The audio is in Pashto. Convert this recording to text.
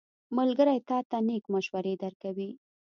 ملګری تا ته نېک مشورې درکوي.